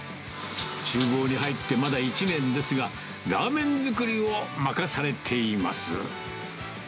ちゅう房に入ってまだ１年ですが、ラーメン作りを任されています。